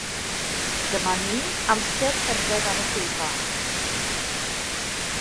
Dyma ni, amser cerdded ar y llwyfan